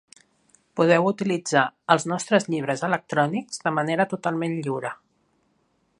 Podeu utilitzar els nostres llibres electrònics de manera totalment lliure.